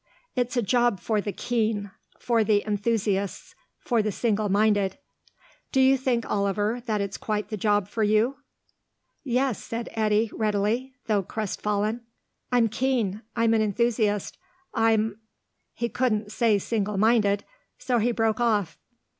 It's a job for the keen; for the enthusiasts; for the single minded. Do you think, Oliver, that it's quite the job for you?" "Yes," said Eddy, readily, though crest fallen. "I'm keen. I'm an enthusiast. I'm " He couldn't say single minded, so he broke off.